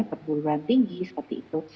perburuan tinggi seperti itu